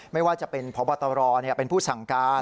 ไม่ว่าจะเป็นผอเนี่ยเป็นผู้สั่งการ